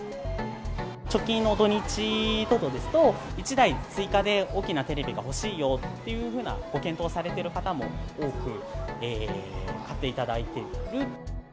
直近の土日等々ですと、１台追加で大きなテレビが欲しいよっていうふうな、ご検討されている方も多く買っていただいている。